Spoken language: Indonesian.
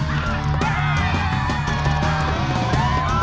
siap selamat faizal